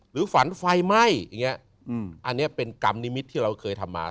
ฝันไฟไหม้อย่างนี้อันนี้เป็นกรรมนิมิตที่เราเคยทำมา